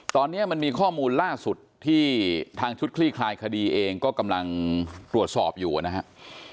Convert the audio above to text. ตอนนี้มันมีข้อมูลล่าสุดที่ทางชุดคลี่คลายคดีเองก็กำลังตรวจสอบอยู่นะครับ